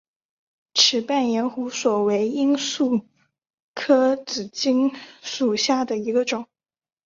齿瓣延胡索为罂粟科紫堇属下的一个种。